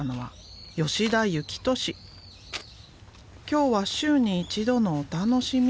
今日は週に一度のお楽しみ。